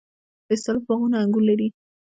د استالف باغونه انګور لري.